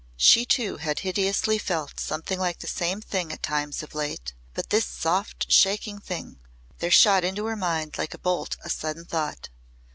She too had hideously felt something like the same thing at times of late. But this soft shaking thing ! There shot into her mind like a bolt a sudden thought.